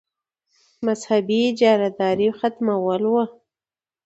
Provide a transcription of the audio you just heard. مذهبي اجاراداري ختمول وو.